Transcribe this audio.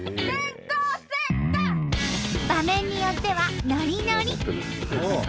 場面によってはノリノリ！